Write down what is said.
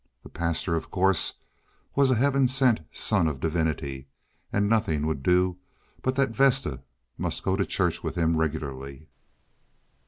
The pastor, of course, was a heaven sent son of divinity. And nothing would do but that Vesta must go to church with him regularly.